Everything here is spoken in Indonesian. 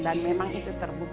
dan memang itu terbukti